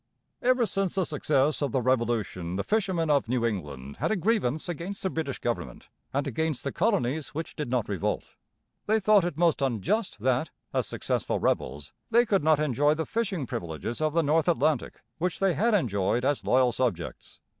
Ever since the success of the Revolution the fishermen of New England had a grievance against the British government and against the colonies which did not revolt. They thought it most unjust that, as successful rebels, they could not enjoy the fishing privileges of the North Atlantic which they had enjoyed as loyal subjects.